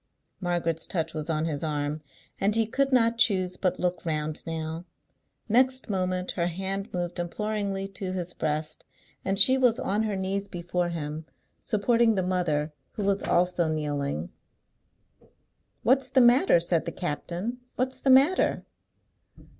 Margaret's touch was on his arm, and he could not choose but look round now. Next moment her hand moved imploringly to his breast, and she was on her knees before him, supporting the mother, who was also kneeling. "What's the matter?" said the captain. "What's the matter?